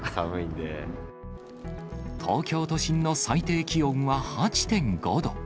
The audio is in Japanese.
東京都心の最低気温は８．５度。